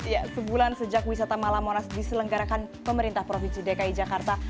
ya sebulan sejak wisata malam monas diselenggarakan pemerintah provinsi dki jakarta